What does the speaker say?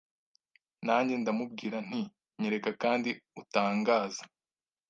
Nanjye ndamubwira nti Nyereka kandi utangaze